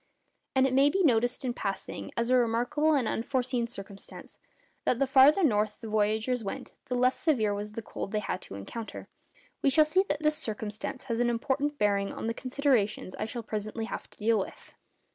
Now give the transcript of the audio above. And it may be noticed in passing, as a remarkable and unforeseen circumstance, that the farther north the voyagers went the less severe was the cold they had to encounter. We shall see that this circumstance has an important bearing on the considerations I shall presently have to deal with.